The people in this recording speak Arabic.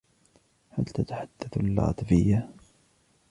هل تتحدث اللاتفية ؟